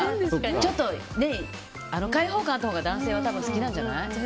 ちょっと開放感あったほうが男性は多分好きなんじゃない？